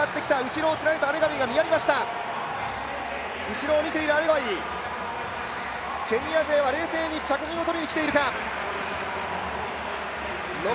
後ろを見ているアレガウィ、ケニア勢は冷静に着順をとりにきているか。